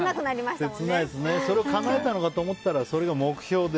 それをかなえたかと思ったらそれが目標で。